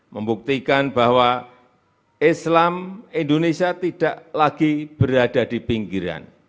membuktikan bahwa islam indonesia tidak lagi berada di pinggiran